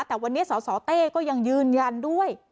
แต่วันนี้สสเต้ก็ยังยืนยันด้วย